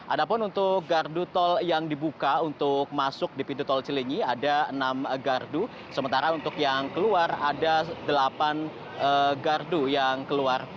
ada pun untuk gardu tol yang dibuka untuk masuk di pintu tol cilinyi ada enam gardu sementara untuk yang keluar ada delapan gardu yang keluar